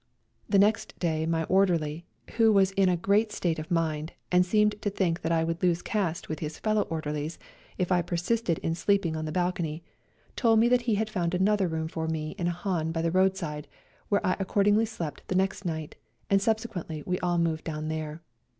The next day my orderly, who was in a great state of mind, and seemed to think that I would lose caste with his fellow orderlies if I persisted in sleeping on the balcony, told 80 A COLD NIGHT RIDE me that he had found another room for me in a hahn by the roadside, where I accordingly slept the next night, and sub sequently we all moved down there.